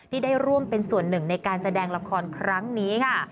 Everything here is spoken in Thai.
ได้ร่วมเป็นส่วนหนึ่งในการแสดงละครครั้งนี้ค่ะ